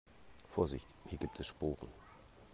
Vorsicht, hier gibt es Sporen.